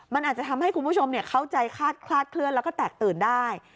มันอาจจะทำให้คุณผู้ชมเข้าใจคลาดเคลื่อนแล้วก็แตกตื่นได้